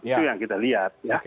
itu yang kita lihat